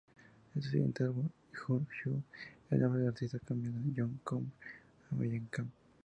En su siguiente álbum, "Uh-Huh", el nombre del artista cambia a John Cougar Mellencamp.